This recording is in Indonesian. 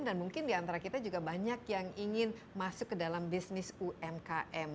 dan mungkin di antara kita juga banyak yang ingin masuk ke dalam bisnis umkm